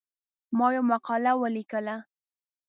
ما یوه مقاله ولیکله.